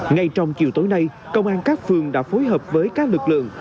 ngay trong chiều tối nay công an các phường đã phối hợp với các lực lượng